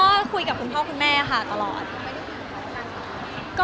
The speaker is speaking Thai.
แล้วคุณพ่อคุณแม่ก็เครียดอะไรอย่างนี้ค่ะ